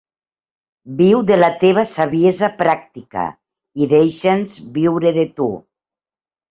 Viu de la teva saviesa pràctica i deixa'ns viure de tu!